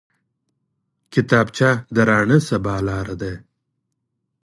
کتابچه د راڼه سبا لاره ده